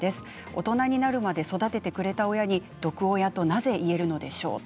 大人になるまで育ててくれた親に毒親となぜ言えるのでしょう。